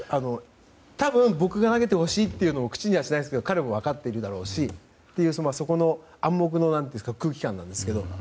多分、僕が投げてほしいと口にしてないですけど彼も分かっているだろうしそこの暗黙の空気感なんですが。